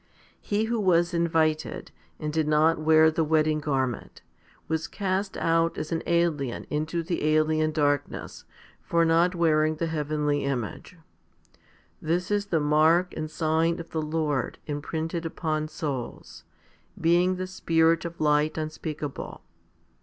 He who was invited, and did not wear the wedding garment, was cast out as an alien into the alien darkness, for not wearing the heavenly image. This is the mark and sign of the Lord imprinted upon souls, being the Spirit of light unspeakable.